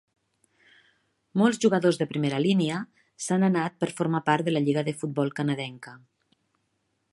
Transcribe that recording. Molts jugadors de primera línia s'han anat per formar part de la lliga de futbol canadenca.